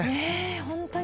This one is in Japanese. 本当に。